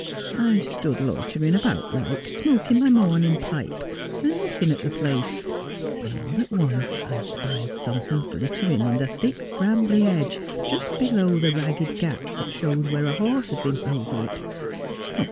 I stood loitering about like, smoking my morning pipe, and looking at the place, when all at once I spied something glittering in the thick brambly hedge just below the ragged gap that showed where a horse had been over it.